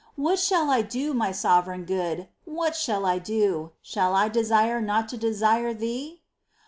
What shall I do, my sovereign Good, what shall I do ? Shall I desire not to desire Thee